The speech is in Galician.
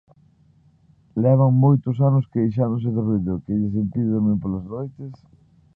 Levan moitos anos queixándose do ruído, que lles impide durmir polas noites.